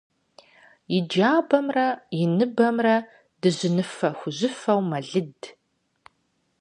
И джабэмрэ и ныбэмрэ дыжьыныфэ-хужьыфэу мэлыд.